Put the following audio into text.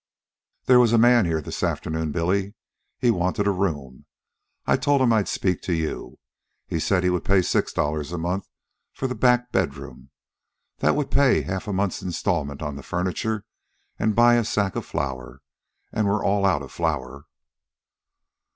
"There was a man here this afternoon, Billy. He wanted a room. I told him I'd speak to you. He said he would pay six dollars a month for the back bedroom. That would pay half a month's installment on the furniture and buy a sack of flour, and we're all out of flour."